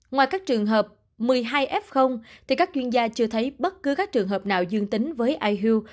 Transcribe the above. ngoài các trường hợp một mươi hai f các chuyên gia chưa thấy bất cứ các trường hợp nào dương tính với ihu